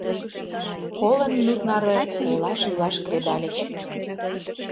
Коло минут наре колаш-илаш кредальыч.